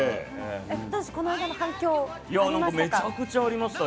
この間の反響ありましたか？